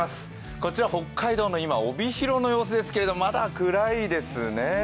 こちら北海道の帯広の様子ですけれどもまだ暗いですね。